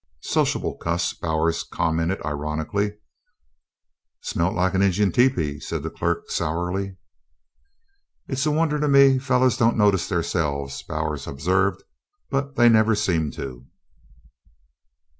"Sociable cuss," Bowers commented ironically. "Smelt like an Injun tepee," said the clerk, sourly. "It's a wonder to me fellers don't notice theirselves," Bowers observed. "But they never seem to."